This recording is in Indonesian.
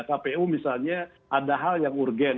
kpu misalnya ada hal yang urgen